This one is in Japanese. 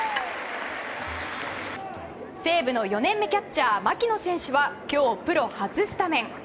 西武の４年目キャッチャー牧野選手は今日、プロ初スタメン。